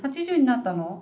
８０になったの？